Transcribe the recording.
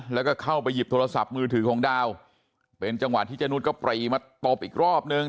แล้วก็เข้าไปหยิบโทรศัพท์มือถือของดาวเป็นจังหวะที่เจนุสก็ปรีมาตบอีกรอบนึง